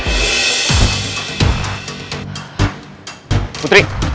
pertama kali gue ngeliat lo gue kasihan